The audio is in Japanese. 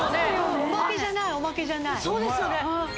オマケじゃないオマケじゃないそうですよね